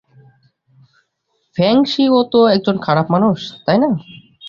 Feng shui ও তো একজন খারাপ মানুষ, তাই না?